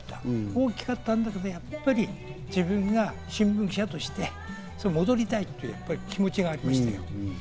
大きかったんだけど、やっぱり自分が新聞記者として戻りたいという気持ちがありましたよ。